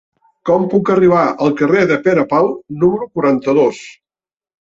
Com puc arribar al carrer de Pere Pau número quaranta-dos?